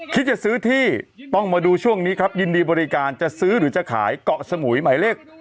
คิดจะซื้อที่ต้องมาดูช่วงนี้ครับยินดีบริการจะซื้อหรือจะขายเกาะสมุยหมายเลข